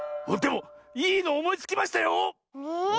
でもいいのおもいつきましたよ！え。